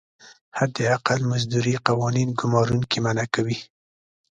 حداقل مزدوري قوانین ګمارونکي منعه کوي.